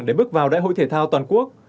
để bước vào đại hội thể thao toàn quốc